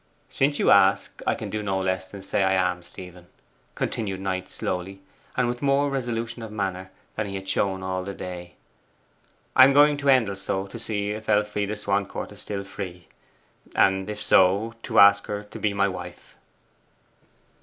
'Since you ask, I can do no less than say I am, Stephen,' continued Knight slowly, and with more resolution of manner than he had shown all the day. 'I am going to Endelstow to see if Elfride Swancourt is still free; and if so, to ask her to be my wife.